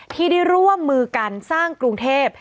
ที่ได้ร่วมมือกันสร้างกรุงเทพ